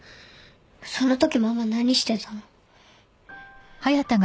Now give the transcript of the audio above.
そのときママ何してたの？